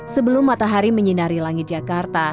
sebelum matahari menyinari langit jakarta